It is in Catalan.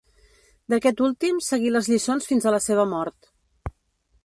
D'aquest últim seguí les lliçons fins a la seva mort.